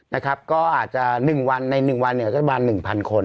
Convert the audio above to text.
นะครับก็อาจจะ๑วันใน๑วันเนี่ยก็ประมาณ๑๐๐คน